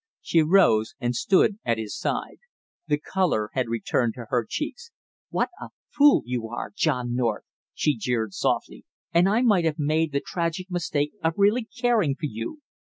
She rose and stood at his side. The color had returned to her cheeks. "What a fool you are, John North!" she jeered softly. "And I might have made the tragic mistake of really caring for you!"